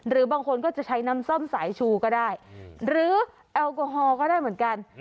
บางคนก็จะใช้น้ำส้มสายชูก็ได้หรือแอลกอฮอลก็ได้เหมือนกัน